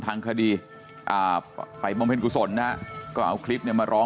ทางคดีอ่าภัยมพิษขุศลน่ะก็เอาคลิปเนี้ยมาร้อง